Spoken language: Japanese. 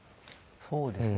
そうですね。